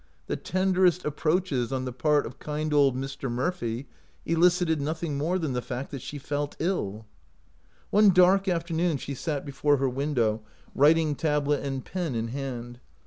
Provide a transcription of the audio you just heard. The tenderest approaches on the part of kind old Mr. Murphy elicited nothing more than the fact that she felt ill. One dark afternoon she sat before her window, writing tablet and pen in hand.